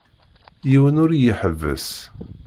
Yiwen ur iyi-iḥebbes.